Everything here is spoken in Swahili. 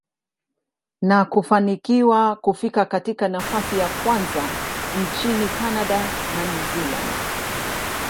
na kufanikiwa kufika katika nafasi ya kwanza nchini Canada na New Zealand.